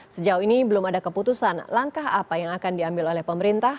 sejauh ini belum ada keputusan langkah apa yang akan diambil oleh pemerintah